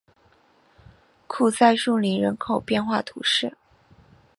库赛树林人口变化图示